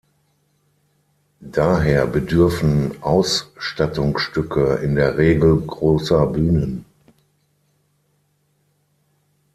Daher bedürfen Ausstattungsstücke in der Regel großer Bühnen.